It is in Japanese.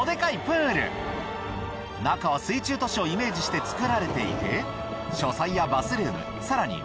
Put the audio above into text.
プール中は水中都市をイメージして造られていて書斎やバスルームさらに